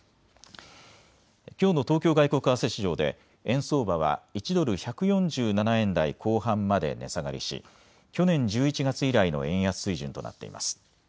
きょうの東京外国為替市場で円相場は１ドル１４７円台後半まで値下がりし去年１１月以来の円安水準となっています。